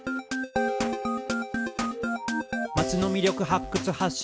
「街の魅力発掘発信